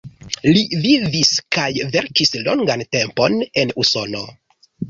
Li vivis kaj verkis longan tempon en Usono.